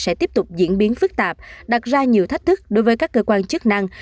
sẽ tiếp tục diễn biến phức tạp đặt ra nhiều thách thức đối với các cơ quan chức năng